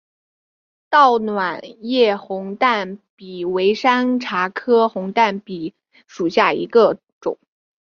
倒卵叶红淡比为山茶科红淡比属下的一个种。